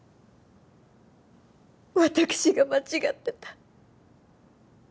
私が間違ってた。